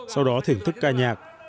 sau đó thưởng thức ca nhạc